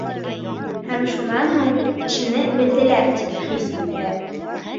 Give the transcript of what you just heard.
Һәм шунан һуң кешене белделәр тип хис итәләр.